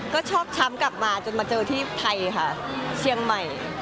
ก็ชอบช้ำกลับมาเจอที่ไทยค่ะ